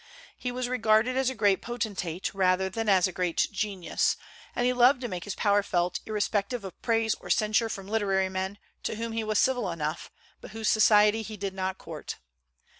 He was regarded as a great potentate rather than as a great genius; and he loved to make his power felt irrespective of praise or censure from literary men, to whom he was civil enough, but whose society he did not court.